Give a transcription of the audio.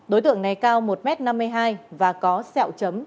đối tượng này cao một m năm mươi hai và có sẹo chấm